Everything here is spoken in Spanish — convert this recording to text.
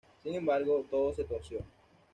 Sin embargo, todo se torció.